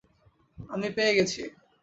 আমি পেয়ে গেছি!